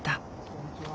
こんにちは。